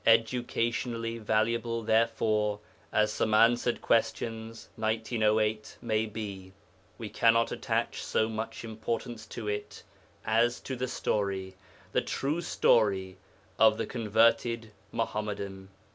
Educationally valuable, therefore, as Some Answered Questions (1908) may be, we cannot attach so much importance to it as to the story the true story of the converted Muḥammadan.